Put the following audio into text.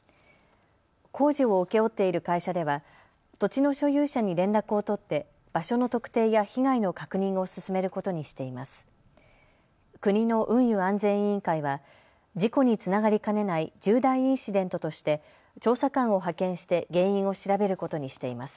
工事を請け負っている会社では土地の所有者に連絡を取って場所の特定や被害の確認を進めることにしています。